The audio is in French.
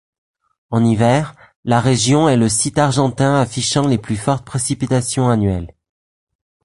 En hiver, la région est le site argentin affichant les plus fortes précipitations annuelles.